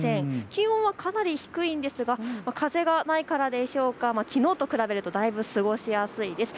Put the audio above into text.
気温はかなり低いんですが風がないからでしょうか、きのうと比べるとだいぶ過ごしやすいです。